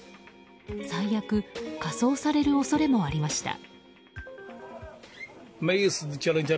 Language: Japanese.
最悪、火葬される恐れもありました。